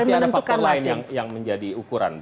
masih ada faktor lain yang menjadi ukuran